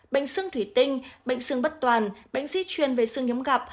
bệnh sương thủy tinh bệnh sương bất toàn bệnh di chuyển về sương nhóm gặp